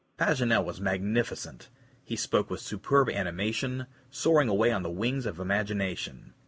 Paganel was magnificent. He spoke with superb animation, soaring away on the wings of imagination.